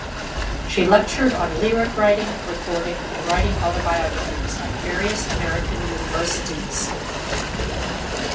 She lectured on lyric writing, recording, and writing autobiographies at various American universities.